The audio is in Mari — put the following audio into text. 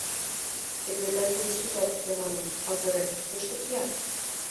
Секретарь кудыштыжат уке маныт, азырен, кушто кия?»